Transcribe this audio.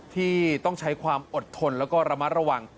ที่ต้องใช้ความอดทนแล้วก็ระมัดระวัง